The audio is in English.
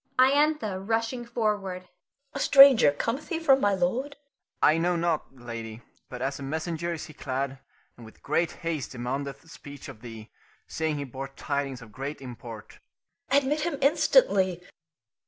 Iantha [rushing forward]. A stranger! Cometh he from my lord? Medon. I know not, lady; but as a messenger is he clad, and with great haste demandeth speech of thee, saying he bore tidings of great import. Iantha. Admit him instantly.